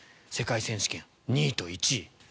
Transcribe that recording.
世界選手権、２位と１位。